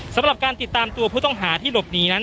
สำหรับการติดตามตัวผู้ต้องหาที่หลบหนีนั้น